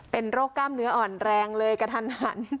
เป็นโรคกล้ามเนื้ออ่อนแรงเลยกระทันหัน